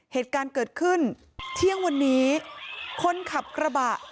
เหตุการณ์เกิดขึ้นเที่ยงวันนี้คนขับกระบะ